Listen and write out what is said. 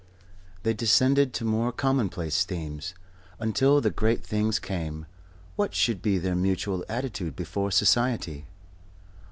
They descended to more commonplace themes. Until the great things came, what should be their mutual attitude before Society?